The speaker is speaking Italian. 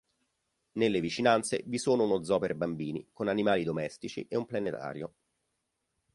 Nelle vicinanze vi sono uno zoo per bambini, con animali domestici, e un planetario.